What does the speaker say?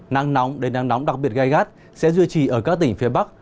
nắng nóng đến nắng nóng đặc biệt gai gắt sẽ duy trì ở các tỉnh phía bắc